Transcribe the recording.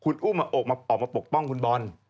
คุณอุ้มออกมาปกป้องคุณบอล